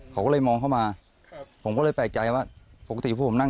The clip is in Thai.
ครับโดยสุดพี่รู้จักกับคนที่ก่อเหตุนะ